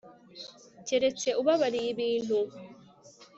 keretse ubabariye ibintu